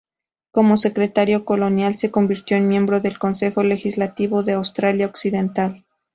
Como secretario colonial, se convirtió en miembro del Consejo Legislativo de Australia Occidental.